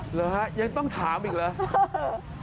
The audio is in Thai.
เหรอฮะยังต้องถามอีกเหรอ